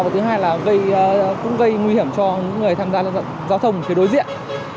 và thứ hai là cũng gây nguy hiểm cho người tham gia giao thông phía đối diện